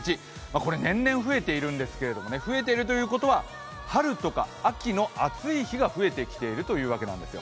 これ、年々増えているんですけど、増えているということは春とか夏の暑い日が増えてきているということなんですよ